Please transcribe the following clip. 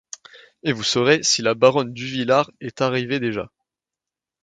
Et vous saurez si la baronne Duvillard est arrivée déjà.